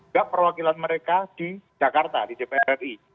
juga perwakilan mereka di jakarta di dpr ri